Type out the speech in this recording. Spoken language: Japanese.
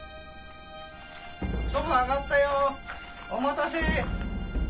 ・そば上がったよお待たせ。